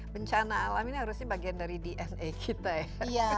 bencana alam ini harusnya bagian dari dna kita ya